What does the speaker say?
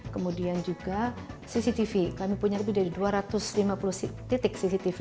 kemudian juga cctv kami punya lebih dari dua ratus lima puluh titik cctv